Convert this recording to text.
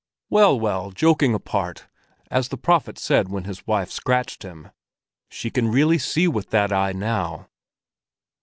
"Well, well, joking apart, as the prophet said when his wife scratched him—she can really see with that eye now."